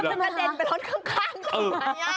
มันกระเด็นไปรถข้างอย่างนี้